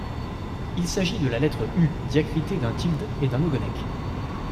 Il s’agit de la lettre U diacritée d’un tilde et d’un ogonek.